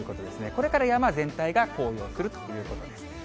これから山全体が紅葉するということです。